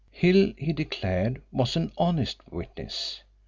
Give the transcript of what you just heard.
Hill, he declared, was an honest witness.